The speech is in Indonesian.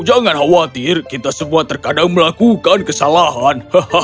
jangan khawatir kita semua terkadang melakukan kesalahan